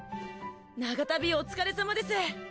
長旅お疲れさまです。